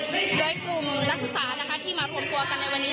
โดยกลุ่มนักศึกษานะคะที่มารวมตัวกันในวันนี้